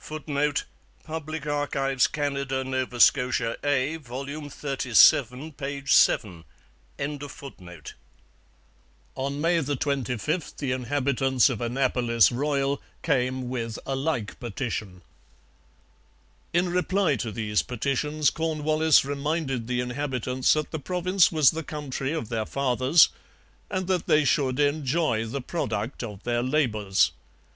[Footnote: Public Archives, Canada. Nova Scotia A, vol. xxxvii, p. 7.] On May 25 the inhabitants of Annapolis Royal came with a like petition. In reply to these petitions Cornwallis reminded the inhabitants that the province was the country of their fathers, and that they should enjoy the product of their labours.